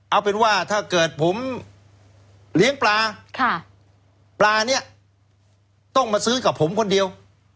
เอาเป็นว่าถ้าเกิดผมเลี้ยงปลาปลานี้ต้องมาซื้อกับผมคนเดียว